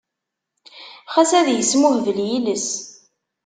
Xas ad yesmuhbel yiles.